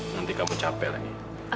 nanti kamu capek lagi